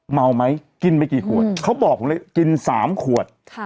เมาไหมกินไม่กี่ขวดเขาบอกผมเลยกิน๓ขวด